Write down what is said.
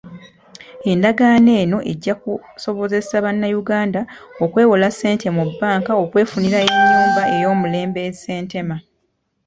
Endagaano eno ejja kusobozesa bannayuganda okwewola ssente mu bbanka okwefunira ennyumba ey'omulembe e Ssentema.